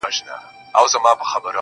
بېگاه د شپې وروستې سرگم ته اوښکي توئ کړې